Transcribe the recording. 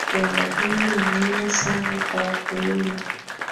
jambo hili ni muhimu sana kwa wakulima